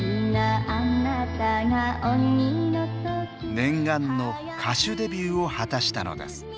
念願の歌手デビューを果たしたのです。